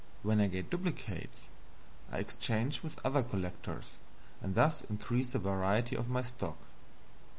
When I get duplicates, I exchange with other collectors, and thus increase the variety of my stock.